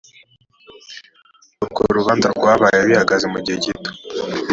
urwo urubanza rwabaye bihagaze mu gihe gito